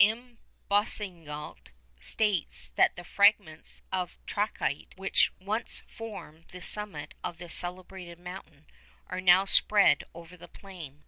M. Boussingault states that the fragments of trachyte which once formed the summit of this celebrated mountain are now spread over the plain.